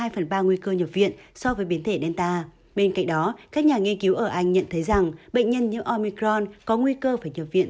hai phần ba nguy cơ nhập viện so với biến thể delta bên cạnh đó các nhà nghiên cứu ở anh nhận thấy rằng bệnh nhân nhiễm omicron có nguy cơ phải nhập viện